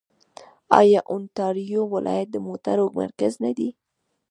آیا اونټاریو ولایت د موټرو مرکز نه دی؟